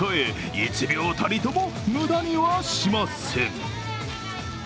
１秒たりとも無駄にはしません。